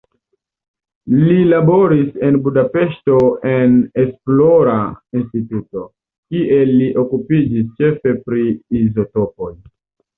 Li laboris en Budapeŝto en esplora instituto, kie li okupiĝis ĉefe pri izotopoj.